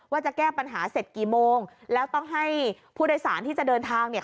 ว่าจะแก้ปัญหาเสร็จกี่โมงแล้วต้องให้ผู้โดยสารที่จะเดินทางเนี่ย